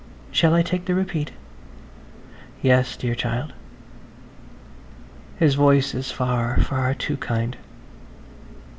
... "Shall I take the repeat?" "Yes, dear child." His voice is far, far too kind.